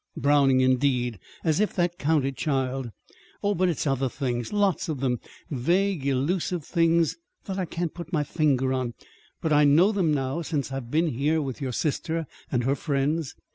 "Browning, indeed! As if that counted, child!" "Oh, but it's other things lots of them; vague, elusive things that I can't put my finger on. But I know them now, since I've been here with your sister and her friends.